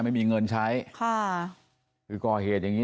ที่ไหน